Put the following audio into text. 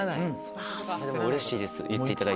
うれしいです言っていただいて。